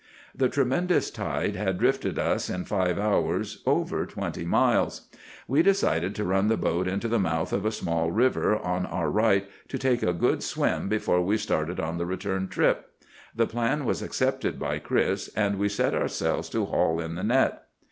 "The tremendous tide had drifted us in five hours over twenty miles. We decided to run the boat into the mouth of a small river on our right to take a good swim before we started on the return trip. The plan was accepted by Chris, and we set ourselves to haul in the net.